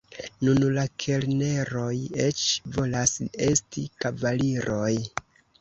Nun la kelneroj eĉ volas esti kavaliroj.